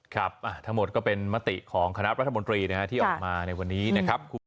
ครับทั้งหมดก็เป็นมติของคณะรัฐมนตรีที่ออกมาในวันนี้นะครับ